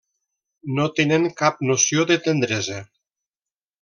No tenen cap noció de tendresa.